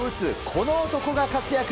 この男が活躍。